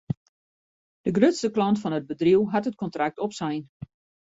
De grutste klant fan it bedriuw hat it kontrakt opsein.